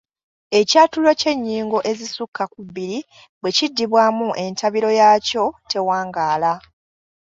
Ekyatulo eky’ennyingo ezisukka ku bbiri bwe kiddibwamu entabiro yaakyo tewangaala.